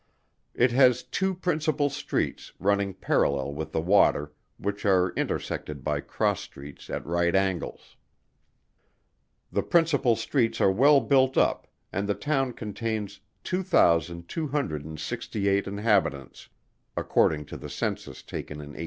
It has two principal streets, running parallel with the water, which are intersected by cross streets at right angles. The principal streets are well built up, and the town contains 2,268 inhabitants, according to the census taken in 1824.